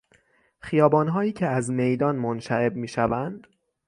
خیابانهایی که از میدان منشعب می شوند